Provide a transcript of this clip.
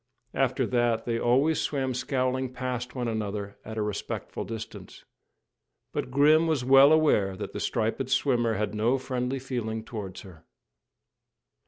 After that they always swam scowling past one another at a respectful distance; but Grim was well aware that the striped swimmer had no friendly feeling towards her.